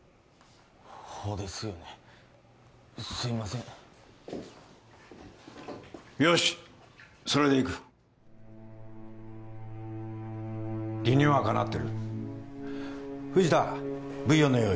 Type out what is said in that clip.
ほうですよねすいませんよしそれでいく理にはかなってる藤田ブイヨンの用意